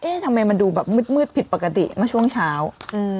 เอ๊ะทำไมมันดูแบบมืดมืดผิดปกติมาช่วงเช้าอืม